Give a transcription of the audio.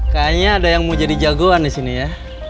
kayaknya ada yang mau jadi jagoan disini ya